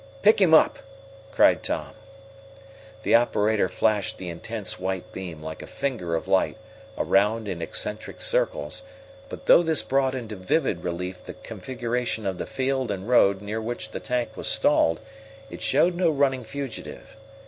"Pick him up!" cried Tom. The operator flashed the intense white beam, like a finger of light, around in eccentric circles, but though this brought into vivid relief the configuration of the field and road near which the tank was stalled, it showed no running fugitive.